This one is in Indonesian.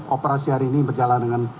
operasi hari ini berjalan dengan